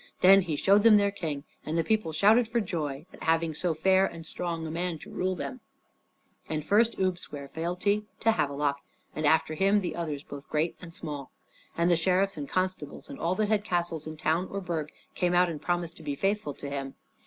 Then he showed them their King, and the people shouted for joy at having so fair and strong a man to rule them. And first Ubbe sware fealty to Havelok, and after him the others both great and small. And the sheriffs and constables and all that held castles in town or burg came out and promised to be faithful to him.